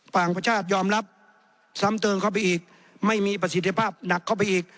ป่างประชาชยอมรับสามเติงเข้าไปอีกไม่มีประสิทธิภาพหนักเข้าไปอีก